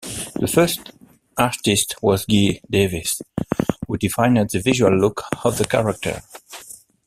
The first artist was Guy Davis, who defined the visual look of the character.